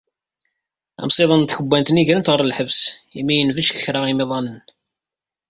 Amsiḍen n tkebbanit-nni gren-t ɣer lḥebs imi yenbec deg kra imiḍanen.